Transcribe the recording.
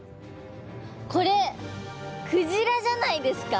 これクジラじゃないですか？